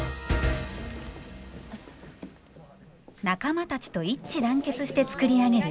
仲間たちと一致団結して作り上げるステージ。